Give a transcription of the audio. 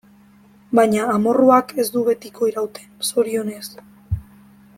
Baina amorruak ez du betiko irauten, zorionez.